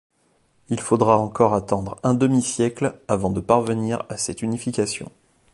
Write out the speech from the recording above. Il faudra encore attendre un demi-siècle avant de parvenir à cette unification.